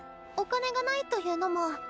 お金がないというのも。